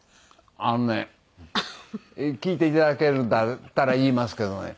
あのね聞いて頂けるんだったら言いますけどね